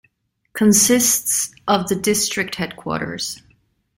Consists of the district headquarters.